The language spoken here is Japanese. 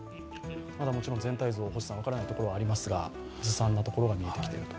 もちろん全体像が分からないところがありますが、ずさんなところが見えてきていると。